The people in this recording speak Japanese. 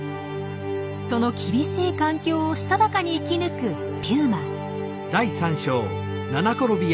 その厳しい環境をしたたかに生き抜くピューマ。